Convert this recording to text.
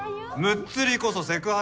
「むっつり」こそセクハラ！